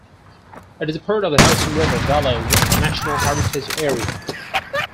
It is part of the Hudson River Valley National Heritage Area.